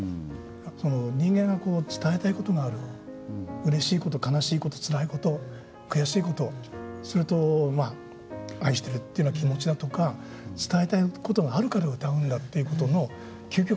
人間が伝えたいことがあるうれしいこと悲しいことつらいこと悔しいことそれと愛してるっていうような気持ちだとか伝えたいことがあるから歌うんだっていうことの究極の形です。